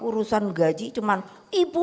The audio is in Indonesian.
urusan gaji cuman ibu